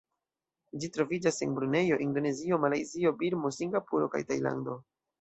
Ĝi troviĝas en Brunejo, Indonezio, Malajzio, Birmo, Singapuro, kaj Tajlando.